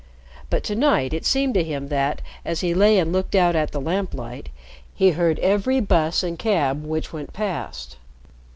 But to night it seemed to him that, as he lay and looked out at the lamplight, he heard every bus and cab which went past.